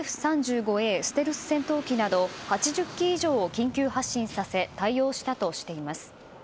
ステルス戦闘機など８０機以上を緊急発進させ対応したとしています。